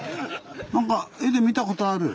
なんか絵で見たことある。